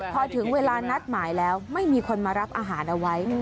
พอถึงเวลานัดหมายแล้วไม่มีคนมารับอาหารเอาไว้